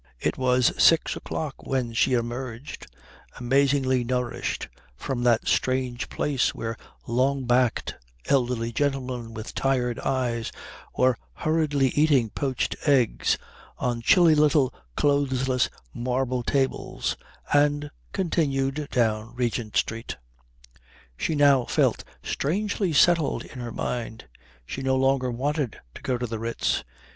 It was six o'clock when she emerged, amazingly nourished, from that strange place where long backed elderly men with tired eyes were hurriedly eating poached eggs on chilly little clothless marble tables, and continued down Regent Street. She now felt strangely settled in her mind. She no longer wanted to go to the Ritz.